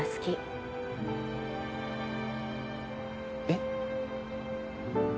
えっ？